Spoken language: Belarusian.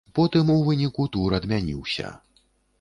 Потым, у выніку, тур адмяніўся.